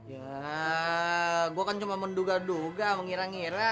ya gue kan cuma menduga duga mengira ngira